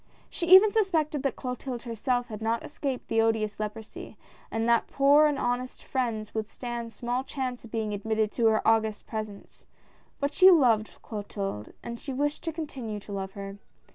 She even suspected that Clotilde herself had not escaped the odious leprosy, and that poor and honest friends would stand small chance of being admitted to her august presence, but she loved Clotilde and she wished to continue to love her.